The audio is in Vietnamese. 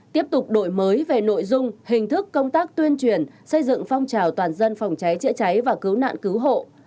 tiếp tục đổi mới về nội dung hình thức công tác tuyên truyền xây dựng phong trào toàn dân phòng cháy chữa cháy và cứu nạn cứu hộ